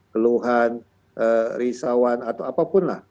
keluhan risauan atau apapun lah